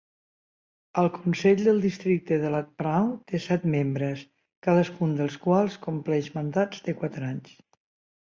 El consell del districte de Lat Phrao té set membres, cadascun dels quals compleix mandats de quatre anys.